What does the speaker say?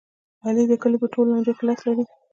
علي د کلي په ټول لانجو کې لاس لري.